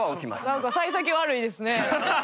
何かさい先悪いですね。